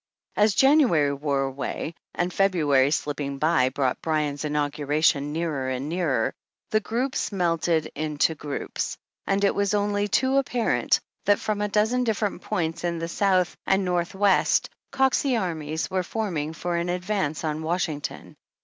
As January wore away and February, slipping by, brought Bryan's Inauguration nearer and nearer, the groups melted into groups, and it was only too ap parent that from a dozen different points in the South 13 and North West Coxey Armies were forming* for an advance on Washington.